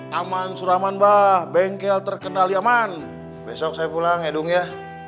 taman suraman bah bengkel terkenal yaman besok saya pulang ya dung ya